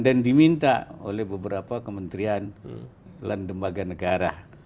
dan diminta oleh beberapa kementerian dan lembaga negara